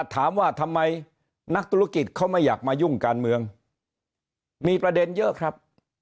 ถามว่าทำไมนักธุรกิจเขาไม่อยากมายุ่งการเมืองมีประเด็นเยอะครับ